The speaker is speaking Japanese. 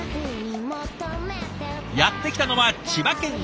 やって来たのは千葉県北部。